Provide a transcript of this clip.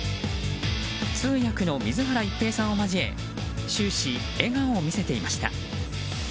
通訳の水原一平さんを交え終始笑顔を見せていました。